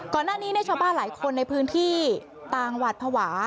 ก่อนหน้านี้ชาวบ้านหลายคนในพื้นที่ต่างหวาดภาวะ